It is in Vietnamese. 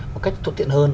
một cách thuận tiện hơn